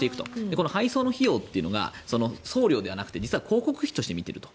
この配送の費用というのが送料ではなくて実は広告費として見ていると。